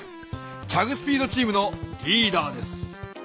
チャグ・スピードチームのリーダーです。